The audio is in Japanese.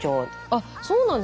あっそうなんだ。